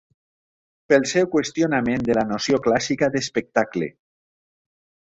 Pel seu qüestionament de la noció clàssica d'espectacle